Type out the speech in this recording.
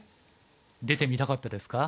出てみたかったですか？